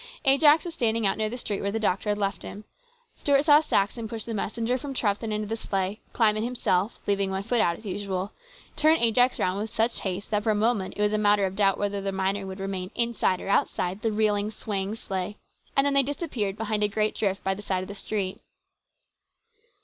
Ajax was standing out near the street where the doctor had left him. Stuart saw Saxon push the messenger from Trethven into the sleigh, climb in 208 HIS BROTHER'S KEEPER. himself, leaving one foot out as usual, turn Ajax round with such haste that for a moment it was a matter of doubt whether the miner would remain inside or outside the reeling, swaying sleigh, and then they disappeared behind a great drift by the side of the street.